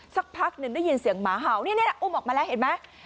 สักพักหนึ่งได้ยินเสียงหมาเห่านี่อุ้มออกมาแล้วเห็นไหม